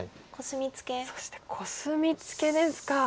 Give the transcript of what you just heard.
そしてコスミツケですか。